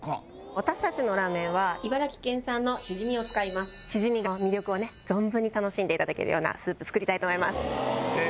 私たちのラーメンは茨城県産のしじみを使いますしじみの魅力をね存分に楽しんでいただけるようなスープ作りたいと思います